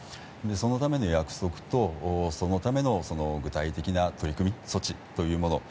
そのための約束とそのための具体的な取り組み、措置というもの。